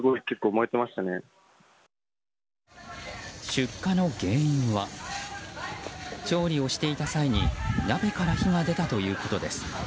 出火の原因は調理をしていた際に鍋から火が出たということです。